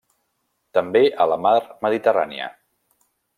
També a la Mar Mediterrània.